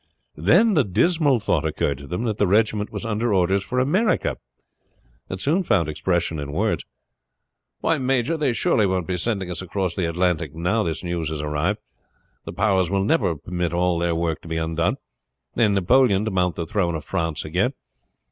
Then the dismal thought occurred to them that the regiment was under orders for America. It soon found expression in words. "Why, major, they surely won't be sending us across the Atlantic now this news has arrived. The Powers will never permit all their work to be undone, and Napoleon to mount the throne of France again.